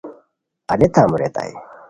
الیتام ریتائے